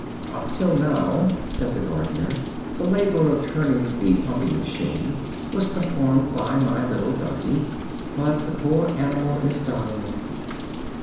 "Up till now," said the gardener, "the labor of turning the pumping machine was performed by my little donkey, but the poor animal is dying."